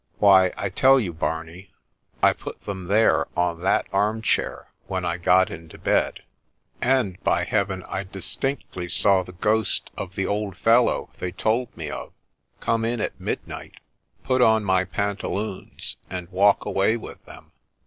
' Why, I tell you, Barney, I put them there, on that arm chair, when I got into bed ; and, by Heaven ! I distinctly saw the ghost of the old fellow they told me of, come in at midnight, put on my pantaloons, and walk away with them.'